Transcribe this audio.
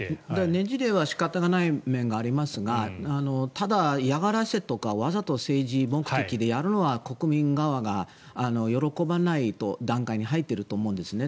ねじれは仕方がない面がありますがただ、嫌がらせとかわざと政治目的でやるのは国民側が喜ばない段階に入っていると思うんですね。